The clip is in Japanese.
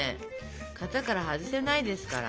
型から外せないですから。